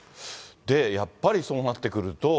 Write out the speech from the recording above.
やっぱりそうなってくると。